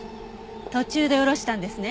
途中で降ろしたんですね